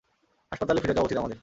হাসপাতালে ফিরে যাওয়া উচিৎ আমাদের!